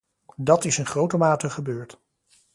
Dat is in grote mate gebeurd.